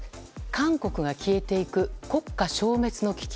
韓国が消えていく国家消滅の危機